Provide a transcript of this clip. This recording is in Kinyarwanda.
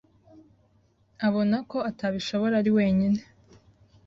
abona ko atabishobora ari wenyine